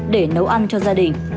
để nấu ăn cho gia đình